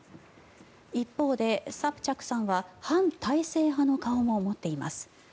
一方でサプチャクさんは反体制派の顔も持っています。